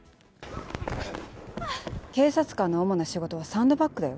警察官の主な仕事はサンドバッグだよ。